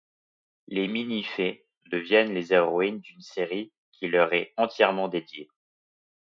Les mini-fées deviennent les héroïnes d'une série qui leur est entièrement dédiées.